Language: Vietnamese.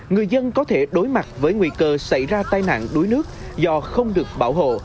người dân có thể đối mặt với nguy cơ xảy ra tai nạn đuối nước do không được bảo hộ